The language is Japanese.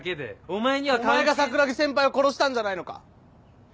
お前が桜樹先輩を殺したんじゃないのか？